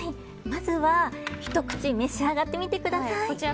まずはひと口召し上がってみてください。